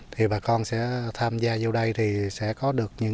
thì bà con sẽ tham gia vô đây thì sẽ có được những